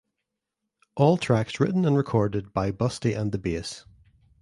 All tracks written and recorded by Busty and the Bass.